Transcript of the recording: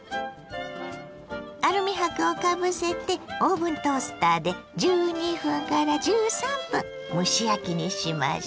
アルミ箔をかぶせてオーブントースターで１２１３分蒸し焼きにしましょ。